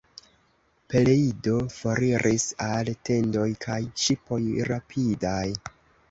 Peleido foriris al tendoj kaj ŝipoj rapidaj.